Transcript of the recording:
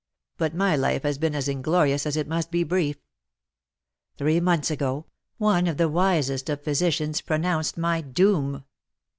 But my life has been as inglorious as it must be brief. Three months ago, one of the wisest of physicians pronounced my doom.